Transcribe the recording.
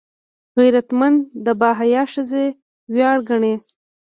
غیرتمند د باحیا ښځې ویاړ ګڼي